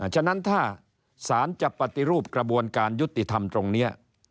ฉะนั้นถ้าสารจะปฏิรูปกระบวนการยุติธรรมตรงนี้